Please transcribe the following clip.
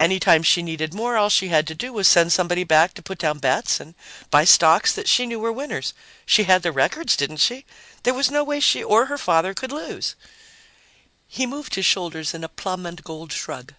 Any time she needed more, all she had to do was send somebody back to put down bets and buy stocks that she knew were winners. She had the records, didn't she? There was no way she or her father could lose!" He moved his shoulders in a plum and gold shrug.